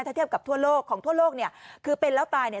ถ้าเทียบกับทั่วโลกของทั่วโลกเนี่ยคือเป็นแล้วตายเนี่ย